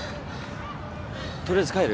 とりあえず帰る？